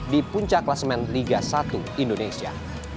di puncak klasemen liga satu indonesia